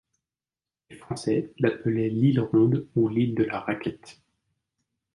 Les Français l'appelaient l'île Ronde ou l'île de la Raquette.